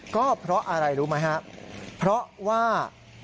ก็เพราะอะไรรู้ไหมครับเพราะว่า